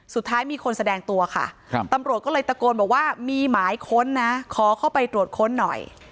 สุดท้ายมีคนแสดงตัวค่ะตำรวจก็เลยตะโกนบอกว่ามีหมายค้นนะขอเข้าไปตรวจค้นหน่อย